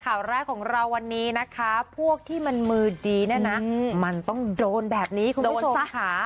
ข่าวแรกของเราวันนี้นะคะพวกที่มันมือดีเนี่ยนะมันต้องโดนแบบนี้คุณผู้ชมค่ะ